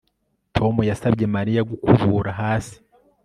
Tom yasabye Mariya gukubura hasi